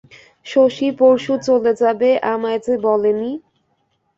শশী পরশু চলে যাবে আমায় যে বলেনি?